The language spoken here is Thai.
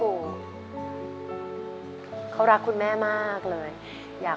แล้วน้องใบบัวร้องได้หรือว่าร้องผิดครับ